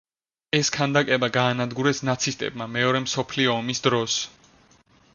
ეს ქანდაკება გაანადგურეს ნაცისტებმა მეორე მსოფლიო ომის დროს.